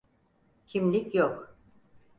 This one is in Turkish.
Kimlik yok.